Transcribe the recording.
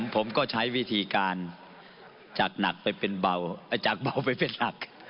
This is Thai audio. ผมก็ใช้วิธีการจากเบาไปเป็นหนัก